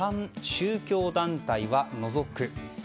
宗教団体は除く。